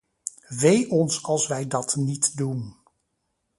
Wee ons als wij dat niet doen.